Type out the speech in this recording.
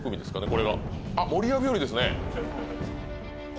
これがあっ守谷日和ですね